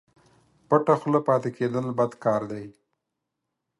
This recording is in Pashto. پټه خوله پاته کېدل بد کار دئ